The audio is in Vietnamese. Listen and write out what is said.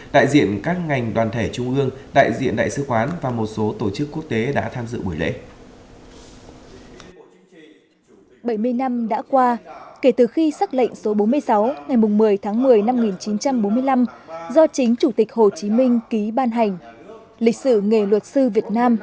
đại diện các ngành đoàn thể trung ương đại diện đại sứ quán và một số tổ chức quốc tế đã tham dự buổi lễ